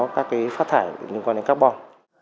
các cái phát thải liên quan đến carbon